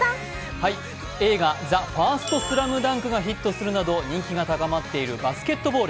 映画「ＴＨＥＦＩＲＳＴＳＬＡＭＤＵＮＫ」がヒットするなど人気が高まっているバスケットボール。